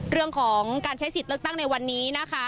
เรื่องของการใช้สิทธิ์เลือกตั้งในวันนี้นะคะ